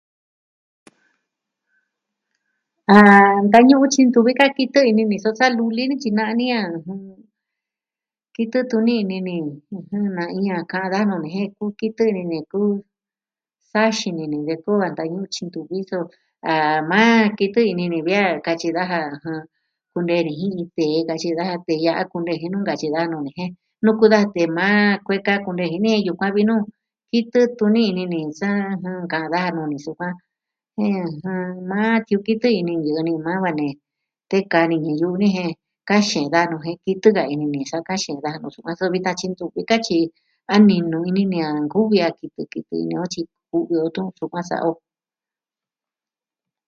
A ntañu'u tyi ntuvi ka kitɨ ini ni so sa luli ni, tyi na'a ni a kitɨ tuni ini ni, na iin a ka'an daja nuu ni, jen ku kitɨ ini ni ku saa xini ni de koo a ntañu'un tyi ntuvi so a maa kitɨ ini ni vi a nkatyi daja kunee ni ji tee katyi daja kunee nu jin iin tee ya'a nkatyi daja nuu ni jen Nuku daja tee maa a kueka kunee ji ni jen yukuan vi nuu nkitɨ tuni ini ni sa, ka'an daja nuu ni sukuan. Maa tiñu kitɨ ini ñɨ'ɨ ni va ne tekaa ni ñɨɨ yu'u ni jen ka'an xeen daja nu'u jen kitɨ ka ini ni, sa ka'an xeen daja nu'u so vitan tyi ntuvi ka tyi a ninu ini ni a nkuvi a kitɨ kitɨ ini o tyi kuvi o tun sukuan sa'a o.